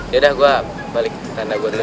yaudah gue balik tanda gue dulu